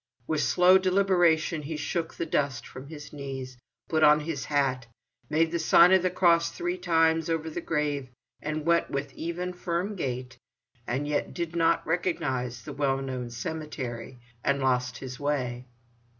With slow deliberation he shook the dust from his knees, put on his hat, made the sign of the cross three times over the grave, and went with even, firm gait, and yet did not recognize the well known cemetery, and lost his way.